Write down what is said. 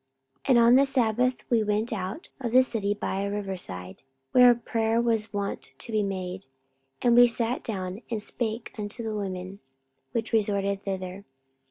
44:016:013 And on the sabbath we went out of the city by a river side, where prayer was wont to be made; and we sat down, and spake unto the women which resorted thither.